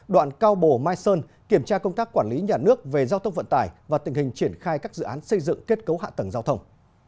đoạn cao bồ mai sơn kiểm tra công tác quản lý nhà nước về giao thông vận tải và tình hình triển khai các dự án xây dựng kết cấu hạ tầng giao thông